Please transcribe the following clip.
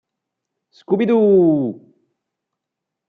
Scooby Doo!